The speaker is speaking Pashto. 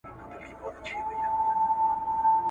پاچاهان را ته بخښي لوی جاګیرونه ,